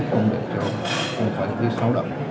không để cho công pháp như thế sau đó